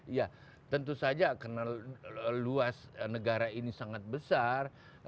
iya tentu saja karena luas negara ini sangat besar